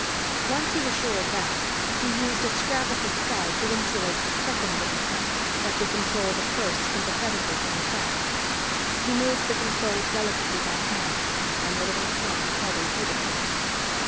Once he was sure of that, he used a scrap of the sky to insulate the second little sun that would control the first sympathetically from the track. He moved the control delicately by hand, and the little sun followed dutifully.